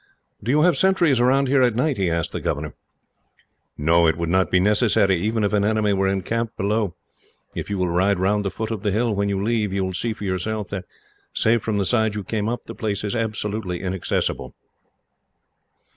"Do you have sentries round here at night?" he asked the governor. "No. It would not be necessary, even if an enemy were encamped below. If you will ride round the foot of the hill when you leave, you will see for yourself that, save from the side you came up, the place is absolutely inaccessible."